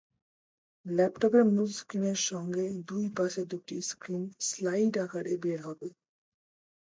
ল্যাপটপের মূল স্ক্রিনের সঙ্গে দুই পাশে দুটি স্ক্রিন স্লাইড আকারে বের হবে।